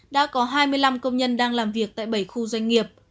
đã có hai mươi năm công nhân đang làm việc tại bảy khu doanh nghiệp